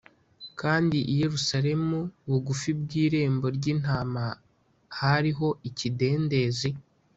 “Kandi i Yerusalemu bugufi bw’irembo ry’intama hariho ikidendezi,